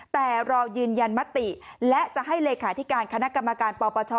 แต่รอยืนยันมติและจะให้เลขาธิการคณะกรรมการปปช